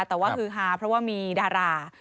แต่ว่าฮือฮาเพราะว่ามีดารา